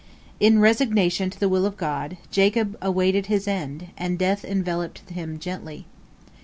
" In resignation to the will of God, Jacob awaited his end, and death enveloped him gently.